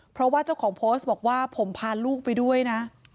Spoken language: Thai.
เพราะว่าเจ้าของโพสต์บอกว่าผมพาลูกไปด้วยนะ